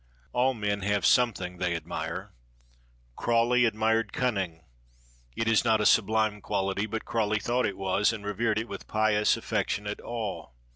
All men have something they admire. Crawley admired cunning. It is not a sublime quality, but Crawley thought it was, and revered it with pious, affectionate awe.